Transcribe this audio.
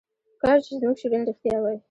کاش چې زموږ شعرونه رښتیا وای.